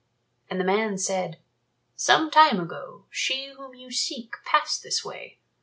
And the man said, "Some time ago she whom you seek passed this way.